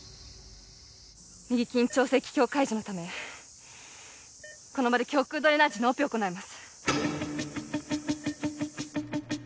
右緊張性気胸解除のためこの場で胸腔ドレナージのオペを行います